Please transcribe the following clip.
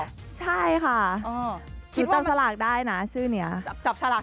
เกิดเลยหรือเปล่าใช่ค่ะอ๋อจับฉลากได้นะชื่อเนี้ยจับฉลาก